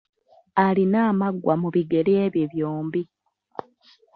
Alina amaggwa mu bigere bye byombi